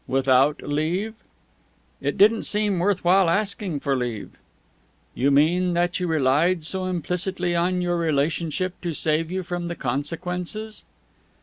"Without leave." "It didn't seem worth while asking for leave." "You mean that you relied so implicitly on our relationship to save you from the consequences?"